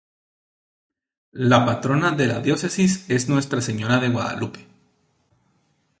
La patrona de la diócesis es Nuestra Señora de Guadalupe.